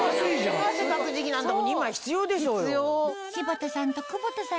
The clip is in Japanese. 汗かく時期なんだもん２枚必要でしょうよ。